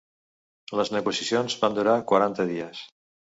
Les negociacions van durar quaranta dies.